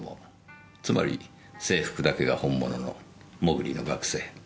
つまり制服だけが本物のモグリの学生。